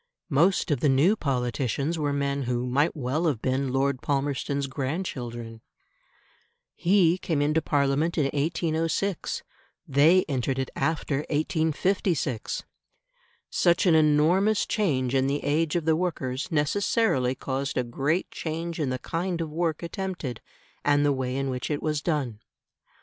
Most of the new politicians were men who might well have been Lord Palmerston's grandchildren. He came into Parliament in 1806, they entered it after 1856. Such an enormous change in the age of the workers necessarily caused a great change in the kind of work attempted and the way in which it was done.